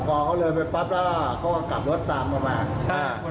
พอเขาเลยไปปั๊บน่ะเขากลับรถตามมาบ้างใช่